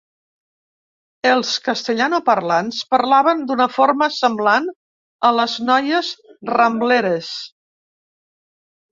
Els castellanoparlants parlaven d'una forma semblant a les noies Rambleres.